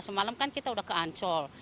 semalam kan kita udah ke ancol